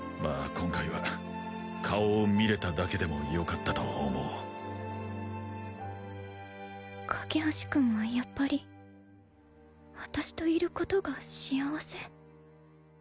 今回は顔を見れただけでもよかったと思おう架橋君はやっぱり私といることが幸せ？